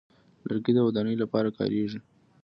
لرګی د ودانیو لپاره کارېږي.